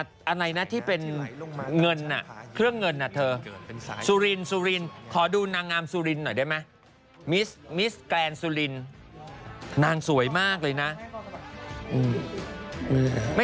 แต่นางก็สวยนะ